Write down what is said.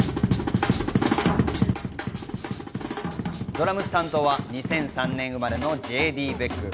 ドラムス担当は２００３年生まれのＪＤ・ベック。